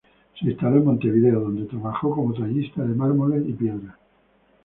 Se instaló en Montevideo, donde trabajó como tallista de mármoles y piedras.